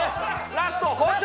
ラスト包丁！